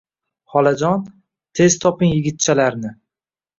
Xolajon, tez toping yigitchalarni